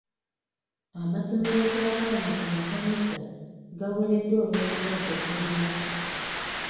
Amasomero g'abaana ku makanisa gawereddwa olw'ekirwadde bbunansi.